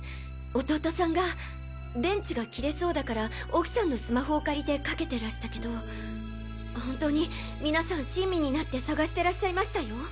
弟さんが電池が切れそうだから奥さんのスマホを借りてかけてらしたけど本当に皆さん親身になって捜してらっしゃいましたよ？